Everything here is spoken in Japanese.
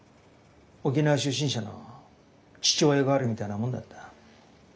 沖縄出身者の父親代わりみたいなもんだった。